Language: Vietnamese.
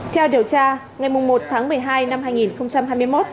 theo điều tra ngày một tháng một mươi hai năm hai nghìn hai mươi một